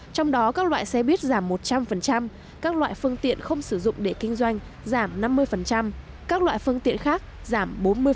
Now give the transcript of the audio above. trong đó các loại xe buýt giảm một trăm linh các loại phương tiện không sử dụng để kinh doanh giảm năm mươi các loại phương tiện khác giảm bốn mươi